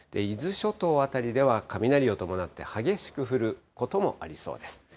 伊豆諸島辺りでは雷を伴って激しく降ることもありそうです。